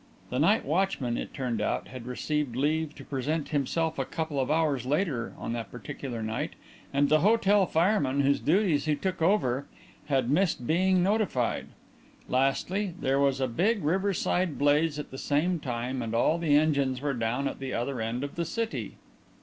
The night watchman, it turned out, had received leave to present himself a couple of hours later on that particular night, and the hotel fireman, whose duties he took over, had missed being notified. Lastly, there was a big riverside blaze at the same time and all the engines were down at the other end of the city."